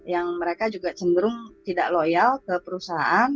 yang mereka juga cenderung tidak loyal ke perusahaan